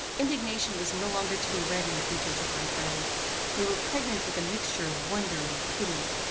Indignation was no longer to be read in the features of my friend. They were pregnant with a mixture of wonder and pity.